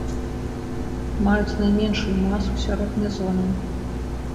Маюць найменшую масу сярод мезонаў.